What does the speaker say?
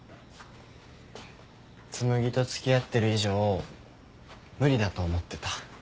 紬と付き合ってる以上無理だと思ってた。